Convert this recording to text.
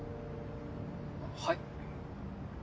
はい？